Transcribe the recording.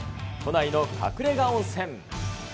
都内の隠れが温泉。